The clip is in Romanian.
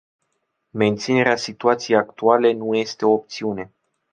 Menținerea situației actuale nu este o opțiune.